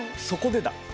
そこでだ。